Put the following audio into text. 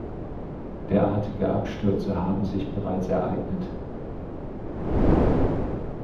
Derartige Abstürze haben sich bereits ereignet.